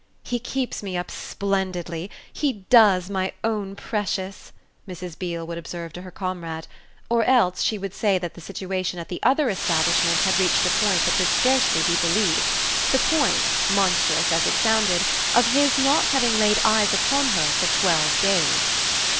"He keeps me up splendidly he does, my own precious," Mrs. Beale would observe to her comrade; or else she would say that the situation at the other establishment had reached a point that could scarcely be believed the point, monstrous as it sounded, of his not having laid eyes upon her for twelve days.